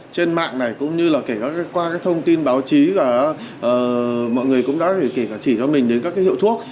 trên mạng này cũng như là kể qua các thông tin báo chí và mọi người cũng đã kể cả chỉ cho mình đến các hiệu thuốc